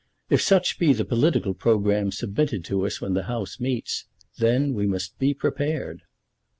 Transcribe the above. If such be the political programme submitted to us when the House meets, then we must be prepared."